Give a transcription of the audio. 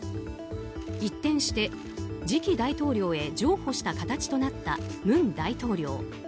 一転して次期大統領へ譲歩した形となった文大統領。